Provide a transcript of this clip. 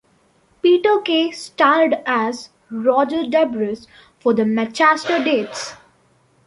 Peter Kay starred as Roger Debris for the Manchester dates.